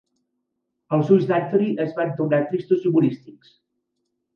Els ulls d'Anthony es van tornar tristos i humorístics.